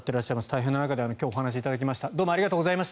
大変な中で今日、お話しいただきました。